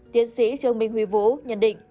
tiến sĩ trương minh huy vũ nhận định